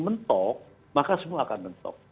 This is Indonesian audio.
mentok maka semua akan mentok